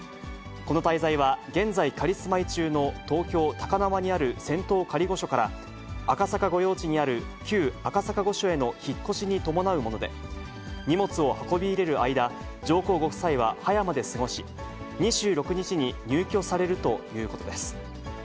この滞在は、現在、仮住まい中の東京・高輪にある仙洞仮御所から、赤坂御用地にある旧赤坂御所への引っ越しに伴うもので、荷物を運び入れる間、上皇ご夫妻は葉山で過ごし、２６日に入居されるということです。